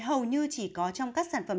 hầu như chỉ có trong các sản phẩm